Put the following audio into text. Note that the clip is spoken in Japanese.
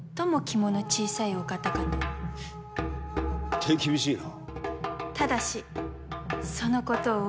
手厳しいな。